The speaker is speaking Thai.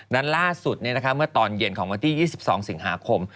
นั้นล่าสุดเมื่อตอนเย็นของวันที่๒๒สิงหาคม